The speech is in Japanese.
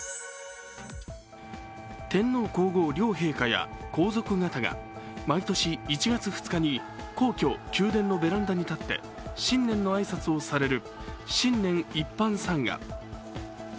天皇皇后両陛下や皇族方が毎年１月２日に皇居・宮殿のベランダに立って、新年の挨拶をされる新年一般参賀。